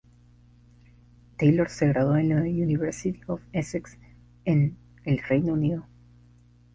Taylor se graduó en la University of Essex en el Reino Unido.